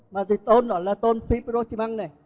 mà tôn đó là tôn fibrochimang này